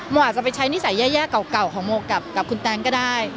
อาจจะไปใช้นิสัยแย่เก่าของโมกับคุณแตงก็ได้